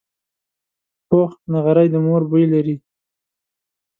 پوخ نغری د مور بوی لري